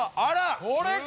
これか！